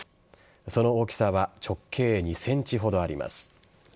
その大きさは直径２ｃｍほどあります。